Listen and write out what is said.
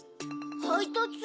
はいたつ？